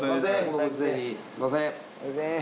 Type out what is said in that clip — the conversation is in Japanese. すみません。